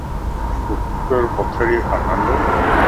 ڪُڪڙ ٻڪري کان ننڊو اَ